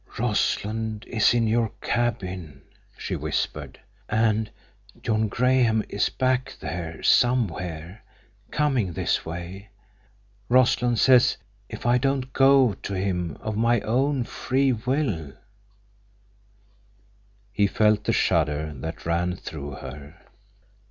"Rossland is in your cabin," she whispered. "And John Graham is back there—somewhere—coming this way. Rossland says that if I don't go to him of my own free will—" He felt the shudder that ran through her.